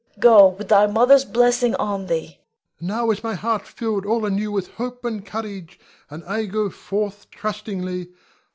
Go, with thy mother's blessing on thee! Ion. Now is my heart filled all anew with hope and courage, and I go forth trustingly.